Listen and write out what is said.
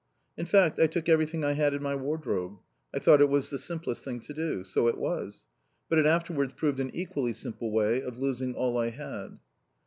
In fact I took everything I had in my wardrobe. I thought it was the simplest thing to do. So it was. But it afterwards proved an equally simple way of losing all I had.